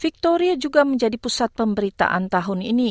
victoria juga menjadi pusat pemberitaan tahun ini